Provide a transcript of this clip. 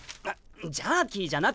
ジャーキーじゃなくって！